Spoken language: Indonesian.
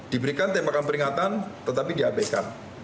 diberikan tembakan peringatan tetapi diabaikan